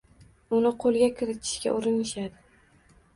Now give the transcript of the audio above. Uni qo’lga kiritishga urinishadi.